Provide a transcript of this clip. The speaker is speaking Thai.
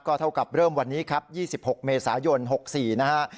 เท่ากับเริ่มวันนี้ครับ๒๖เมษายน๖๔นะฮะ